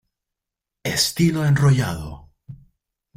Estilo enrollado.